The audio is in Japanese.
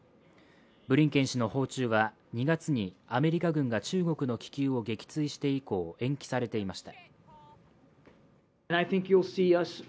ブリンケン氏の訪中は、２月にアメリカ軍が中国の気球を撃墜して以降、延期されていました。